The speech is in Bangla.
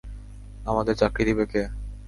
আমাদের চাকরি দিবে কে?